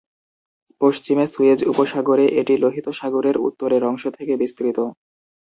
পশ্চিমে সুয়েজ উপসাগরে এটি লোহিত সাগরের উত্তরের অংশ থেকে বিস্তৃত।